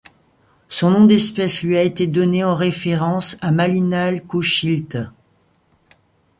Son nom d'espèce lui a été donné en référence à Malinalxochitl.